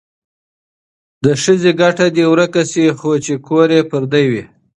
د ښځې ګټه دې ورکه شي خو چې کور یې پرده وي.